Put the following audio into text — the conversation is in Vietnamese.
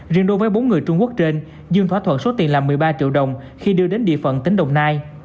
riêng đối với bốn người trung quốc trên dương thỏa thuận số tiền là một mươi ba triệu đồng khi đưa đến địa phận tỉnh đồng nai